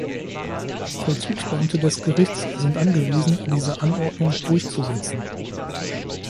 Vollzugsbeamte des Gerichts sind angewiesen, diese Anordnung durchzusetzen.